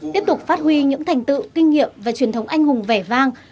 tiếp tục phát huy những thành tựu kinh nghiệm và truyền thống anh hùng vẻ vang